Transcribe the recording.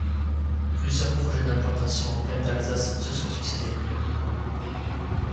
Plusieurs projets d'implantation en plaine d'Alsace se sont succédé.